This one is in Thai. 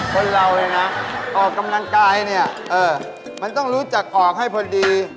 คนเรานะออกกำลังกายมันต้องรู้จักออกให้พอดี